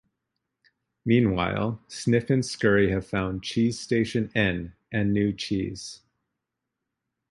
Meanwhile, Sniff and Scurry have found "Cheese Station N," and new cheese.